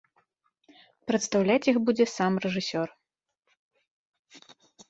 Прадстаўляць іх будзе сам рэжысёр.